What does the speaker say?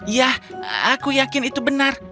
ya aku yakin itu benar